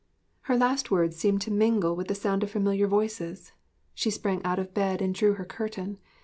Her last words seemed to mingle with the sound of familiar voices. She sprang out of bed and drew her curtain....